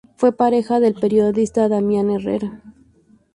Fue pareja del periodista Damián Herrera.